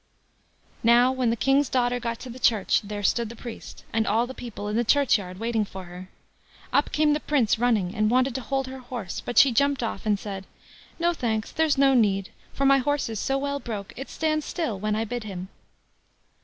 Now when the King's daughter got to the church, there stood the priest and all the people in the churchyard waiting for her. Up came the Prince running, and wanted to hold her horse, but she jumped off, and said: "No; thanks—there's no need, for my horse is so well broke, it stands still when I bid him."